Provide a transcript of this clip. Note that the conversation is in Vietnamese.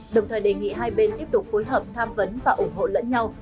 đồng thời đề nghị hai bên tiếp tục phối hợp tham vấn và ủng hộ lẫn nhau